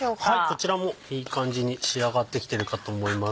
こちらもいい感じに仕上がってきてるかと思います。